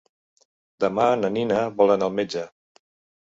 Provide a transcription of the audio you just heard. Demà na Nina vol anar al metge.